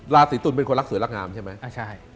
ราศีตุลเป็นคนรักสวยรักงามใช่ไหม